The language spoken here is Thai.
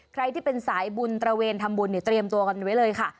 ใครที่เป็นสายบุญตระเวนทำบุญเนี่ยเตรียมตัวกันไว้เลยค่ะ